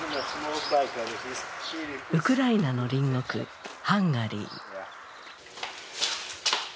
ウクライナの隣国ハンガリー。